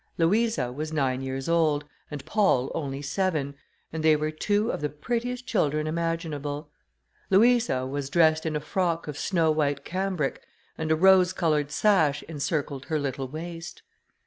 Louisa was nine years old, and Paul only seven, and they were two of the prettiest children imaginable. Louisa was dressed in a frock of snow white cambric, and a rose coloured sash encircled her little waist.